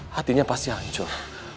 hatinya pasti hancur